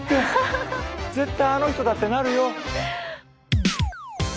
絶対「あの人だ！」ってなるよ。